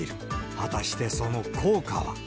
果たしてその効果は。